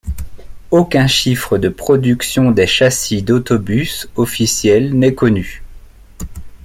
Aucun chiffre de production des châssis d'autobus officiel n'est connu.